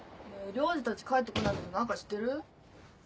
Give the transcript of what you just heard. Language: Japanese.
亮二たち帰ってこないんだけど何か知ってる？